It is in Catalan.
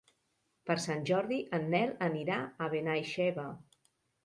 Per Sant Jordi en Nel anirà a Benaixeve.